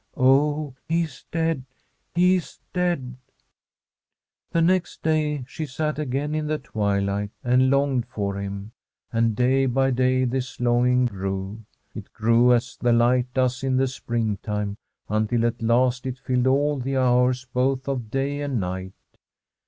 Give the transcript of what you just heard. * Oh, he is dead, he is dead I ' The next day she sat again in the twilight, and longed for him, and day by day this longing grew. It grew as the light does in the springtime, until at last it filled all the hours both of day and night.